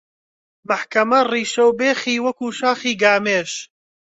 مەحکەمە ڕیشە و بێخی وەکوو شاخی گامێش